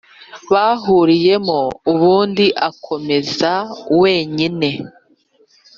bahuriyemo ubundi akomeze wenyine.